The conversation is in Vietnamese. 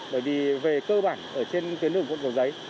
bởi vì về cơ bản ở trên tuyến đường quận cầu giấy